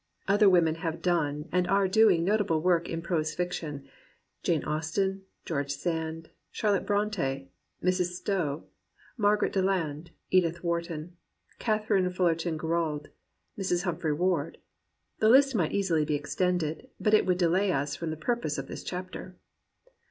Other women have done and are doing notable work in prose fiction — Jane Austen, George Sand, Charlotte Bronte, Mrs. Stowe, Margaret Deland, Edith Wharton, Katharine Fullerton Gerould, Mrs. Humphry Ward — the list might easily be extended, but it would delay us from the purpose of this chapter.